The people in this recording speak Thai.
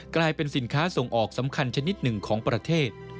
กลายเป็นสินค้าส่งออกสำคัญชนิดหนึ่งของประเทศ